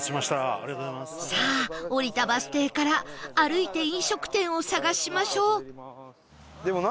さあ降りたバス停から歩いて飲食店を探しましょう